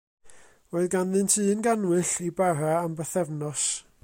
Roedd ganddynt un gannwyll, i bara am bythefnos.